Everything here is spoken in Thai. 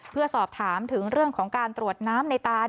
เพื่อสอบถามถึงเรื่องของการตรวจน้ำในตาน